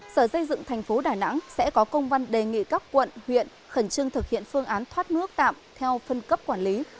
sở xây dựng thành phố đà nẵng sẽ có công văn đề nghị các quận huyện khẩn trương thực hiện phương án thoát nước tạm theo phân cấp quản lý